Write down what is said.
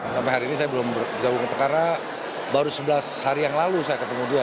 sampai hari ini saya belum bergabung karena baru sebelas hari yang lalu saya ketemu dia